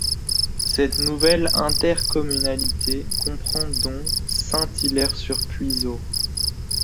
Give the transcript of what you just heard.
Cette nouvelle intercommunalité comprend dont Saint-Hilaire-sur-Puiseaux.